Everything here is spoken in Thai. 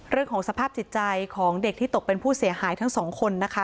เรื่องของสภาพจิตใจของเด็กที่ตกเป็นผู้เสียหายทั้งสองคนนะคะ